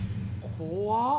怖っ！